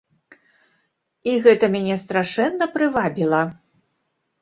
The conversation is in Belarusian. І гэта мяне страшэнна прывабіла.